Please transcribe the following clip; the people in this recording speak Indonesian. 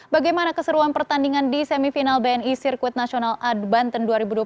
bagaimana keseruan pertandingan di semifinal bni sirkuit nasional a banten dua ribu dua puluh tiga